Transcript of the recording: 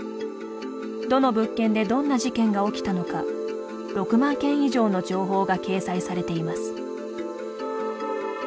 どの物件でどんな事件が起きたのか６万件以上の情報が掲載されています。